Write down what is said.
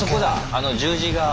あの十字がある。